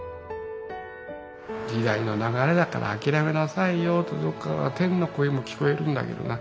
時代の流れだから諦めなさいよとどっかから天の声も聞こえるんだけどな